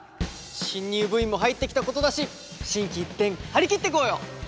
新入部員も入ってきたことだし心機一転張り切っていこうよ。